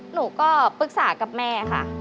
หนูก็ปรึกษากับแม่ค่ะ